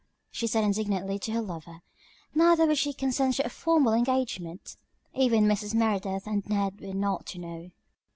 she said indignantly to her lover. Neither would she consent to a formal engagement. Even Mrs. Merideth and Ned were not to know.